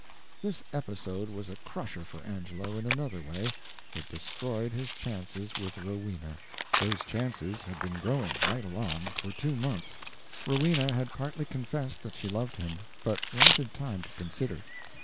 This episode was a crusher for Angelo in another way. It destroyed his chances with Rowena. Those chances had been growing, right along, for two months. Rowena had partly confessed that she loved him, but wanted time to consider.